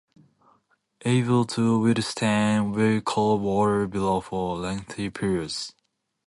Able to withstand very cold water below for lengthy periods.